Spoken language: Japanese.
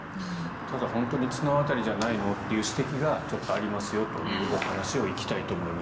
ただ、本当に綱渡りじゃないの？という指摘がありますよというお話に行きたいと思います。